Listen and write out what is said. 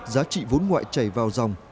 giá trị vốn ngoại chảy vào dòng